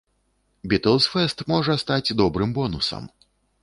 Бітлз-фэст можа стаць добрым бонусам.